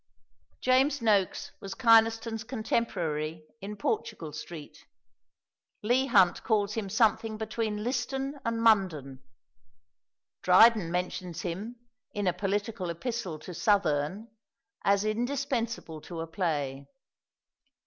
James Nokes was Kynaston's contemporary in Portugal Street. Leigh Hunt calls him something between Liston and Munden. Dryden mentions him, in a political epistle to Southerne, as indispensable to a play.